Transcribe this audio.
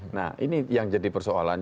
nah ini yang jadi persoalan